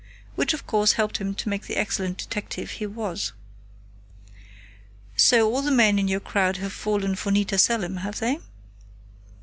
Which of course helped make him the excellent detective he was. "So all the men in your crowd have fallen for Nita Selim, have they?"